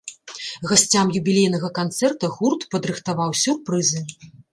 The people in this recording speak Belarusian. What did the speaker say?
Гасцям юбілейнага канцэрта гурт падрыхтаваў сюрпрызы.